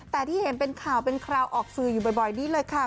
แต่ที่เห็นเป็นข่าวเป็นคราวออกสื่ออยู่บ่อยนี้เลยค่ะ